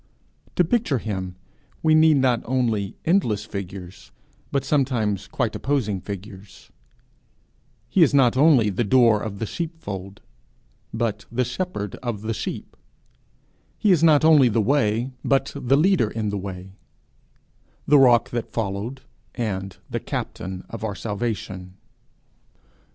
To picture him, we need not only endless figures, but sometimes quite opposing figures: he is not only the door of the sheepfold, but the shepherd of the sheep; he is not only the way, but the leader in the way, the rock that followed, and the captain of our salvation.